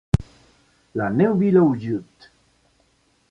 La Neuville-aux-Joûtes